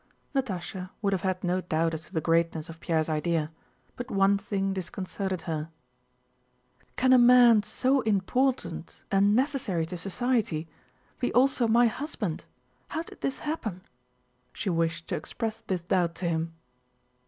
Natásha would have had no doubt as to the greatness of Pierre's idea, but one thing disconcerted her. "Can a man so important and necessary to society be also my husband? How did this happen?" She wished to express this doubt to him.